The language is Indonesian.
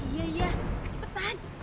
iya iya cepetan